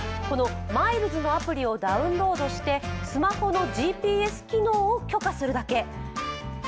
ＭｉｌｅｓのアプリをダウンロードしてスマホのＧＰＳ機能を許可するだけ。